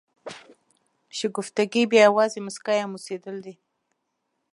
شګفتګي بیا یوازې مسکا یا موسېدل دي.